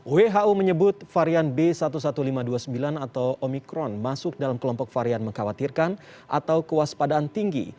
who menyebut varian b satu satu lima ratus dua puluh sembilan atau omikron masuk dalam kelompok varian mengkhawatirkan atau kewaspadaan tinggi